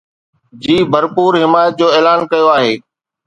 جي ڀرپور حمايت جو اعلان ڪيو آهي